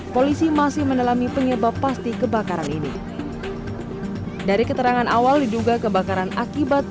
polisi masih mendalami penyebab pasti kebakaran ini dari keterangan awal diduga kebakaran akibat